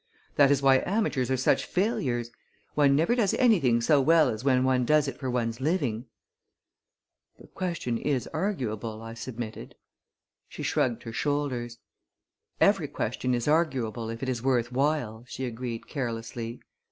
"That is why amateurs are such failures. One never does anything so well as when one does it for one's living." "The question is arguable," I submitted. She shrugged her shoulders. "Every question is arguable if it is worth while," she agreed carelessly.